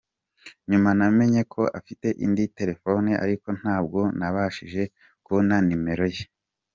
Nyuma namenye ko afite indi telefone, ariko ntabwo nabashije kubona nimero ye.